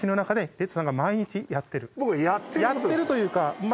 やってるというかまあ